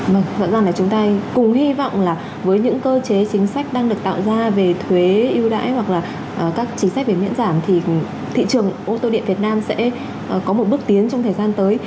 vâng rõ ràng là chúng ta cùng hy vọng là với những cơ chế chính sách đang được tạo ra về thuế yêu đãi hoặc là các chính sách về miễn giảm thì thị trường ô tô điện việt nam sẽ có một bước tiến trong thời gian tới